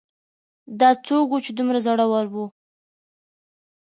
دا څوک و چې دومره زړور و